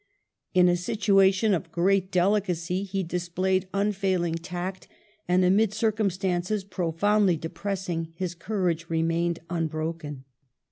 In a situation of great delicacy he displayed unfailing tact, and amid circumstances profoundly depressing his courage remained unbroken.